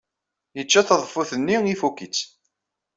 Yecca taḍeffut-nni, ifuk-itt.